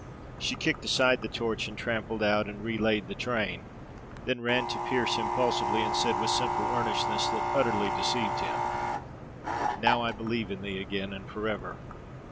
She kicked aside the torch, and trampled out and relaid the train; then ran to Pearse impulsively, and said with simple earnestness that utterly deceived him: "Now I believe in thee again, and for ever.